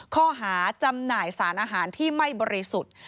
ข้อหาจำหน่ายสารอาหารที่ไม่บริสุทธิ์